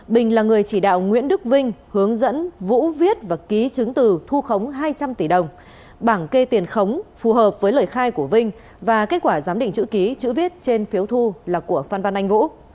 bình là người chỉ đạo nguyễn đức vinh hướng dẫn vũ viết và ký chứng từ thu khống hai trăm linh tỷ đồng bảng kê tiền khống phù hợp với lời khai của vinh và kết quả giám định chữ ký chữ viết trên phiếu thu là của phan văn anh vũ